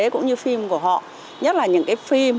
cũng như phim của họ nhất là những cái phim